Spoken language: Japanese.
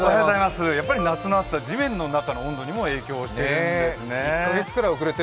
やっぱり夏の暑さ、地面の中の温度にも影響していたんですね。